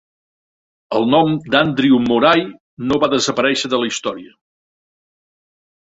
El nom d'Andrew Moray no va desaparèixer de la història.